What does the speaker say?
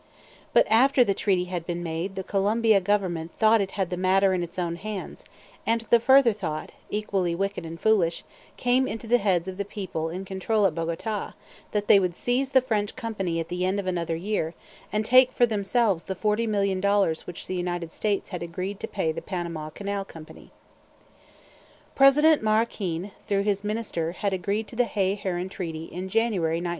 But after the treaty had been made the Colombia Government thought it had the matter in its own hands; and the further thought, equally wicked and foolish, came into the heads of the people in control at Bogota that they would seize the French Company at the end of another year and take for themselves the forty million dollars which the United States had agreed to pay the Panama Canal Company. President Maroquin, through his Minister, had agreed to the Hay Herran Treaty in January, 1903.